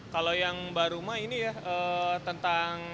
kalau yang baru mah ini ya tentang